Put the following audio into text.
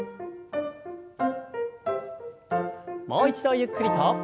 もう一度ゆっくりと。